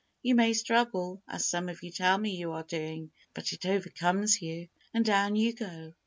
You may struggle, as some of you tell me you are doing, but it overcomes you, and down you go.